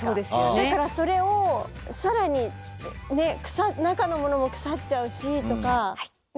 だからそれを更にねっ中のものも腐っちゃうしとか。